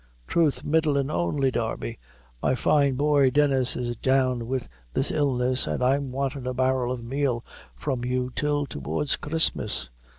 "Throth, middlin' only, Darby. My fine boy, Denis, is down wid this illness, an' I'm wantin' a barrel of meal from you till towards Christmas."